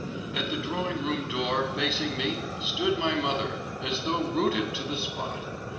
… At the drawing room door facing me stood my mother, as though rooted to the spot.